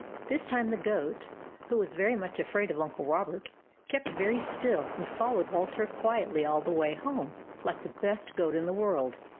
This time the goat, who was very much afraid of Uncle Robert, kept very still and followed Walter quietly all the way home, like the best goat in the world.